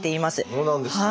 そうなんですか。